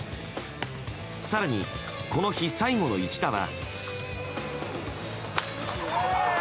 更にこの日最後の一打は。